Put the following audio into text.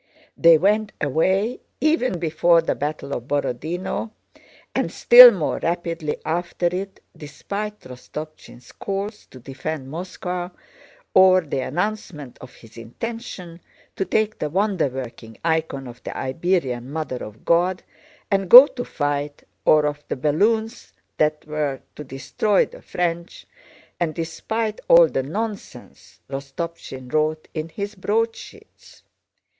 They went away even before the battle of Borodinó and still more rapidly after it, despite Rostopchín's calls to defend Moscow or the announcement of his intention to take the wonder working icon of the Iberian Mother of God and go to fight, or of the balloons that were to destroy the French, and despite all the nonsense Rostopchín wrote in his broadsheets.